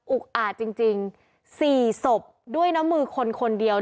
อุกอาจจริงจริงสี่สบด้วยน้ำมือคนคนเดียว